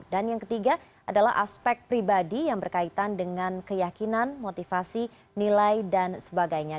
dan yang ketiga adalah aspek pribadi yang berkaitan dengan keyakinan motivasi nilai dan sebagainya